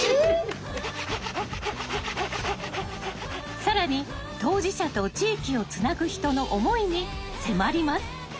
更に当事者と地域をつなぐ人の思いに迫ります。